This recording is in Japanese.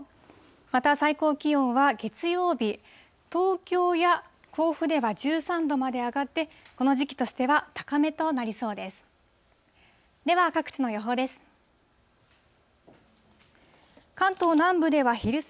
また最高気温は、月曜日、東京や甲府では１３度まで上がって、この時期としては高めとなりそうです。